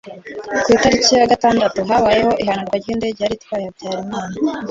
Ku itariki yagatandatu, habayeho ihanurwa ry'indege yari itwaye Habyarimana,